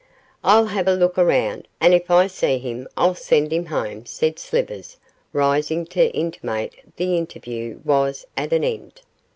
'I'll have a look round, and if I see him I'll send him home,' said Slivers, rising to intimate the interview was at end.